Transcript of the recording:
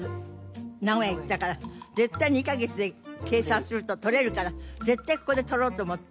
絶対２カ月で計算すると取れるから絶対ここで取ろうと思って。